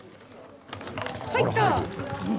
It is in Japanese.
入った。